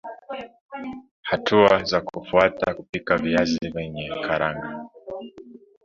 Hatua za kufuata kupika viazi vyenye karanga